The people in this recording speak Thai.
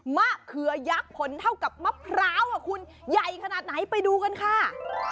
มะเขือยักษ์ผลเท่ากับมะพร้าวคุณใหญ่ขนาดไหนไปดูกันค่ะ